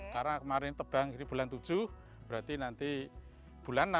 karena kemarin tebang jadi bulan tujuh berarti nanti bulan enam